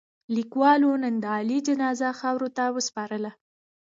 کلیوالو نن د علي جنازه خاورو ته و سپارله.